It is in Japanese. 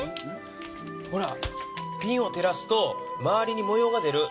ほらびんを照らすとまわりにも様が出る。